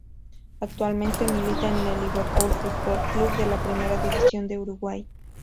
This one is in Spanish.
Actualmente milita en el Liverpool Fútbol Club de la Primera División de Uruguay.